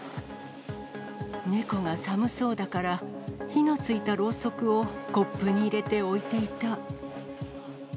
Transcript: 猫が寒そうだから、火のついたろうそくをコップに入れて置いていた。